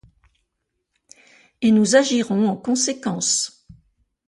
et nous agirons en conséquence.